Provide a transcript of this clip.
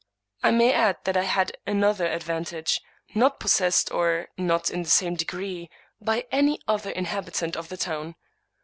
I may add that I had another advantage, not possessed, or io8 Thomas De Quincey not in the same degree, by any other inhabitant of the town.